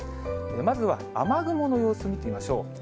まずは雨雲の様子見てみましょう。